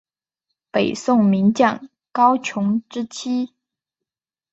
北宋名将高琼之妻。